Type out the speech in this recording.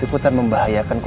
iqbal itu laki laki pengecut